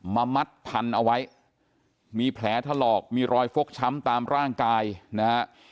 มัดพันเอาไว้มีแผลถลอกมีรอยฟกช้ำตามร่างกายนะฮะ